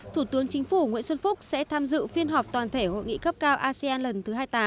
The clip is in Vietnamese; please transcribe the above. thủ tướng chính phủ nguyễn xuân phúc sẽ tham dự phiên họp toàn thể hội nghị cấp cao asean lần thứ hai mươi tám